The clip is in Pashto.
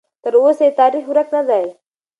تراوسه یې تاریخ ورک نه دی.